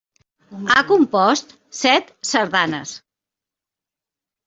Ha compost set sardanes.